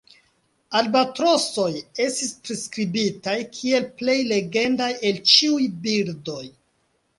Albatrosoj estis priskribitaj kiel "plej legendaj el ĉiuj birdoj".